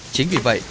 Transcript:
chính vì vậy